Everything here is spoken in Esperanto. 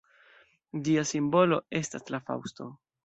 Ĝia simbolo estas la faŭsto.